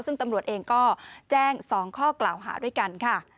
ซึ่งตำรวจเองก็แจ้ง๒ข้อกล่าวหาด้วยกันค่ะ